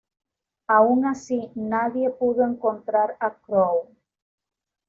Aun así, nadie pudo encontrar a Crowe.